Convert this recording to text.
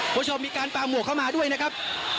คุณผู้ชมมีการปลาหมวกเข้ามาด้วยนะครับ